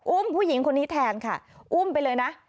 อุ้มผู้หญิงคนนี้แทนค่ะอุ้มไปเลยนะ